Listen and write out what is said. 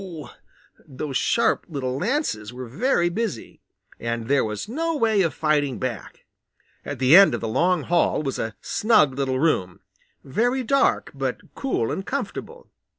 Those sharp little lances were very busy, and there was no way of fighting back. At the end of the long hall was a snug little room, very dark but cool and comfortable.